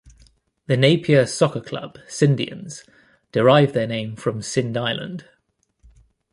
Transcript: The Napier soccer club Scindians derived their name from Scinde Island.